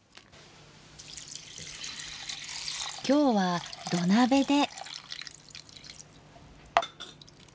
今日は土鍋で。